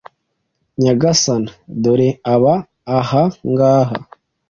Nyagasani, dore aba aha ngaha,